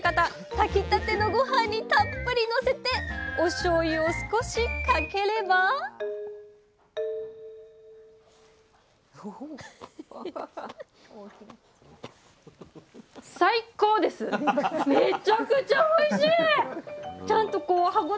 炊きたてのごはんにたっぷりのせておしょうゆを少しかければアハハハハハッ。